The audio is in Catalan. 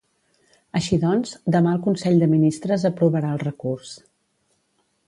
Així doncs, demà el consell de ministres aprovarà el recurs.